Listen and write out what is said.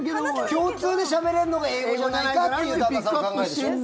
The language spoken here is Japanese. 共通でしゃべれるのが英語じゃないかっていう旦那さんの考えでしょ。